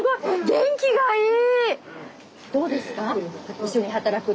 元気がいい！